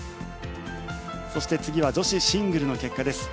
そして次は女子シングルの結果です。